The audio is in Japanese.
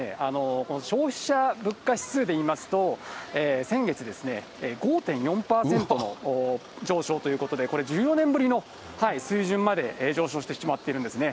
ただですね、消費者物価指数でいいますと、先月、５．４％の上昇ということで、これ、１４年ぶりの水準まで上昇してしまっているんですね。